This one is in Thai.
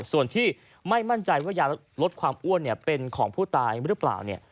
ส่วนที่ไม่มั่นใจว่ายาลดความอ้วนเป็นของผู้ตายหรือเปล่า